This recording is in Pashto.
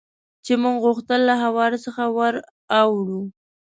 چې موږ غوښتل له هوارې څخه ور اوړو.